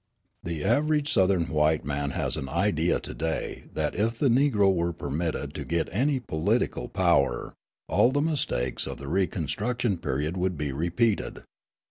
The average Southern white man has an idea to day that, if the Negro were permitted to get any political power, all the mistakes of the reconstruction period would be repeated.